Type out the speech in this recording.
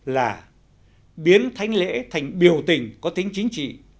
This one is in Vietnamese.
là biến thanh lễ thành biểu tình có tính chính trị